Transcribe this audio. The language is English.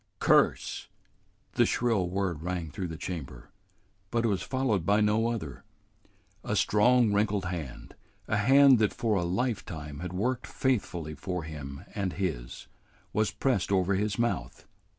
"Curse " The shrill word rang through the chamber, but it was followed by no other. A strong, wrinkled hand, a hand that for a lifetime had worked faithfully for him and his, was pressed over his mouth.